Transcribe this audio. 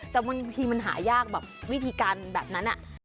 แต่บางทีมันหายากแบบวิธีการแบบนั้น